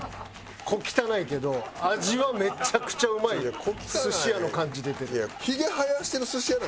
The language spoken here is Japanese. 小汚いけど味はめちゃくちゃうまい寿司屋の感じ出てる。